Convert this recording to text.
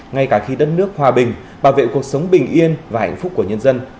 ngay cả khi đất nước hòa bình bảo vệ cuộc sống bình yên và hạnh phúc của nhân dân